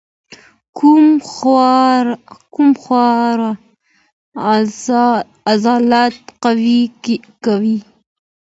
کوم خواړه عضلات قوي کوي؟